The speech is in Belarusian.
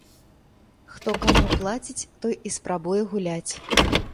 Хто каму плаціць, той і спрабуе гуляць.